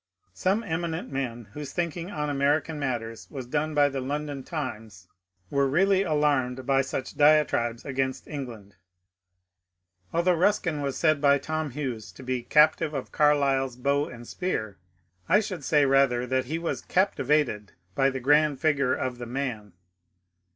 Some eminent men, whose thinking on American matters was done by the London *^ Times," were really alarmed by such diatribes against Eng land. Although Buskin was said by Tom Hughes to be ^^ captive of Carlyle's bow and spear," I should say rather that he was *^ captivated " by the grand figure of the man.